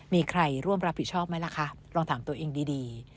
มีใครร่วมรับผิดชอบไหมล่ะคะลองถามตัวเองดี